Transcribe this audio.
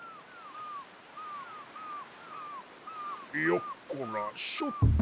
よっこらしょっと。